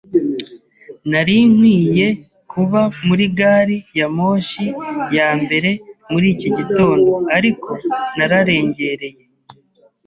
Nari nkwiye kuba muri gari ya moshi ya mbere muri iki gitondo, ariko nararengereye.